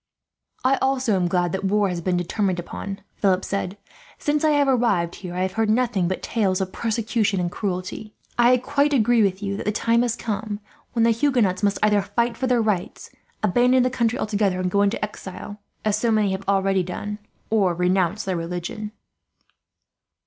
"I also am glad that war has been determined upon," Philip said. "Since I have arrived here, I have heard nothing but tales of persecution and cruelty. I quite agree with you that the time has come when the Huguenots must either fight for their rights; abandon the country altogether and go into exile, as so many have already done; or renounce their religion."